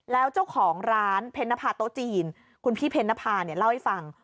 แล้วเจ้าของร้านเพนภาโต๊ะจีนคุณพี่เพนภาเนี่ยเล่าให้ฟัง